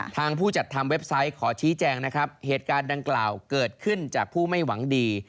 ผู้จัดทำเว็บไซต์ขอชี้แจงนะครับเหตุการณ์ดังกล่าวเกิดขึ้นจากผู้ไม่หวังดี